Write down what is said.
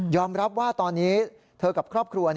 รับว่าตอนนี้เธอกับครอบครัว